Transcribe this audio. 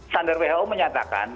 standar who menyatakan